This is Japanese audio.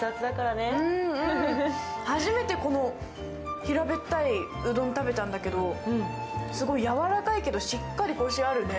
初めてこの平べったいうどん食べたんだけど、すごいやわらかいけど、しっかりコシあるね。